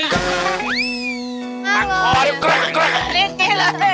หักคอย